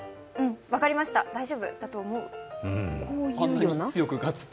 分かりました、大丈夫だと思います